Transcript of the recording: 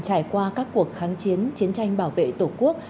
trải qua các cuộc kháng chiến chiến tranh bảo vệ tổ quốc